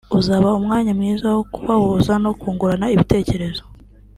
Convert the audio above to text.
uzaba umwanya mwiza wo kubahuza no kungurana ibitekerezo